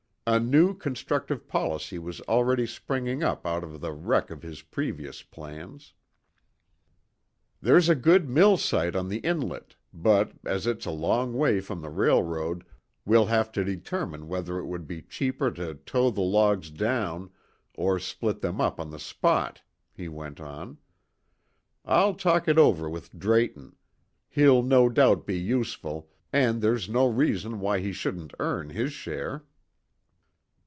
A new constructive policy was already springing up out of the wreck of his previous plans. "There's a good mill site on the inlet, but as it's a long way from the railroad we'll have to determine whether it would be cheaper to tow the logs down or split them up on the spot," he went on. "I'll talk it over with Drayton; he'll no doubt be useful, and there's no reason why he shouldn't earn his share."